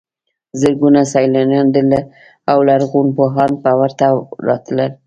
زرګونه سیلانیان او لرغونپوهان به ورته راتلل.